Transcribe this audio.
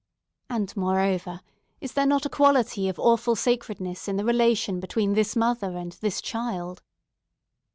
And, moreover, is there not a quality of awful sacredness in the relation between this mother and this child?"